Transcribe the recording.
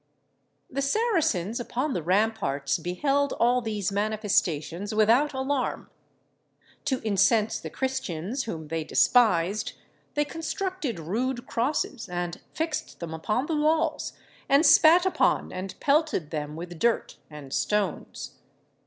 The Saracens upon the ramparts beheld all these manifestations without alarm. To incense the Christians, whom they despised, they constructed rude crosses, and fixed them upon the walls, and spat upon and pelted them with dirt and stones.